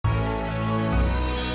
jangan lupa like share dan subscribe ya